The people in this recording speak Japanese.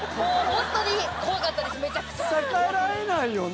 逆らえないよね。